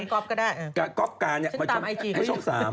ก็คือการให้ช่อง๓